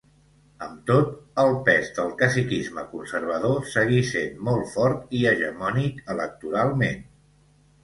Amb tot, el pes del caciquisme conservador seguí sent molt fort i hegemònic electoralment.